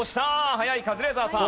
早いカズレーザーさん。